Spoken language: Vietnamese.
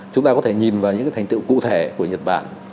chúng ta có thể nhìn vào những thành tựu cụ thể của nhật bản